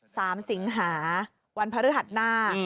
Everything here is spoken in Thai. สามสิงหาวันพระธรรมหน้า